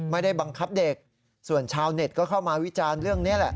ไม่ได้บังคับเด็กส่วนชาวเน็ตก็เข้ามาวิจารณ์เรื่องนี้แหละ